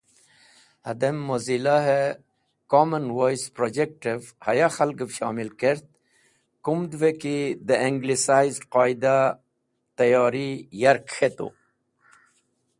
Hadem Mozila he “Common Voice” projectev haya khalgev shomil kert, kumdveki de Anglicised Qoidahe tayori yark k̃hetu.